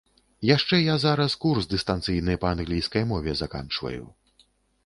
Яшчэ я зараз курс дыстанцыйны па англійскай мове заканчваю.